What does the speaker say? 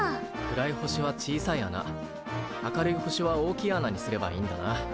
暗い星は小さい穴明るい星は大きい穴にすればいいんだな。